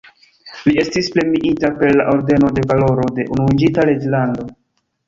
Li estis premiita per la Ordeno de Valoro de Unuiĝinta Reĝlando.